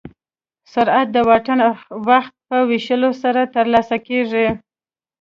سرعت د واټن او وخت په ویشلو سره ترلاسه کېږي.